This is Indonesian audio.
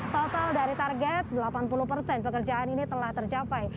total dari target delapan puluh persen pekerjaan ini telah tercapai